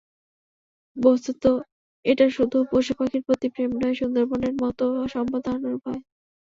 বস্তুত, এটা শুধু পশুপাখির প্রতি প্রেম নয়, সুন্দরবনের মতো সম্পদ হারানোর ভয়।